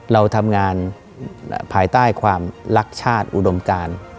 เราทำงานภายใต้ความรักชาติอุดมการ